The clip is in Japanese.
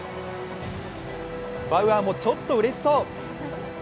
バウアーもちょっとうれしそう。